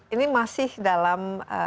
ini masih dalam